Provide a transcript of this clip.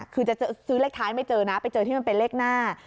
คือจะซื้อเลขท้ายไม่เจอนะไปเจอที่มันเป็นเลขหน้า